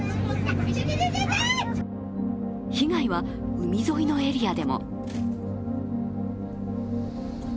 被害は海沿いのエリアでも。